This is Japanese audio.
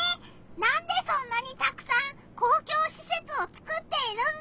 なんでそんなにたくさん公共しせつをつくっているんだ？